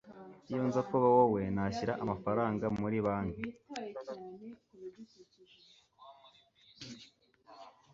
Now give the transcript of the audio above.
iyo nza kuba wowe, nashyira amafaranga muri banki